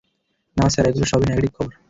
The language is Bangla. না স্যার, এগুলোর সবই নেগেটিভ খবর।